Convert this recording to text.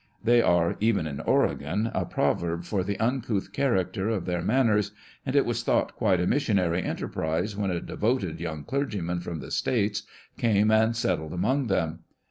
They are (even in Oregon) a proverb for the uncouth character of their manners, and it was thought quite a missionary enterprise when a devoted young clergyman from " the States" came and settled among them.